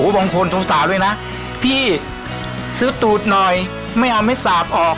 บางคนโทรศาสตร์ด้วยนะพี่ซื้อตูดหน่อยไม่เอาเม็ดสาบออก